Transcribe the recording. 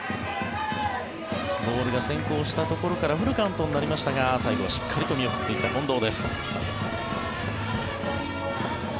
ボールが先行したところからフルカウントになりましたが最後はしっかりと見送っていった近藤です。